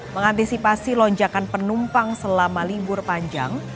mengantisipasi lonjakan penumpang selama libur panjang